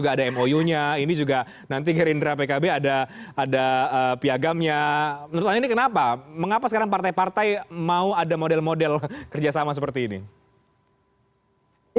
kedua dua figurnya berbasis kepada partai masing masing